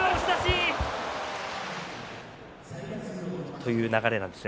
という流れなんですね